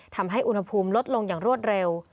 ทำให้อุณหภูมิลดลงอย่างรวดเร็ว